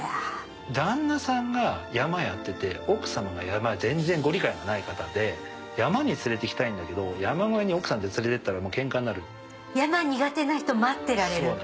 旦那さんが山やってて奥さまが山全然ご理解がない方で山に連れていきたいんだけど山小屋に奥さん連れていったらケンカになる。